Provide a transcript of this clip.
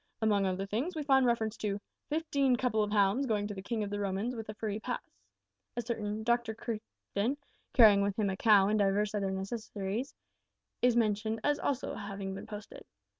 Among other things, we find reference to `fifteen couple of hounds going to the King of the Romans with a free pass.' A certain `Dr Crichton, carrying with him a cow and divers other necessaries,' is mentioned as having been posted!